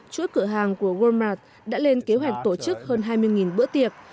chuỗi cửa hàng của walmart đã lên kế hoạch tổ chức hơn hai mươi bữa tiệc